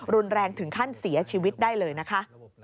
รุนแรงถึงขั้นเสียชีวิตได้เลยนะคะ